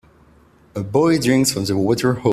A boy drinks from the water hose.